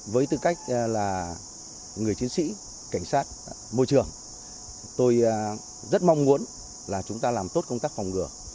với tư cách là người chiến sĩ cảnh sát môi trường tôi rất mong muốn là chúng ta làm tốt công tác phòng ngừa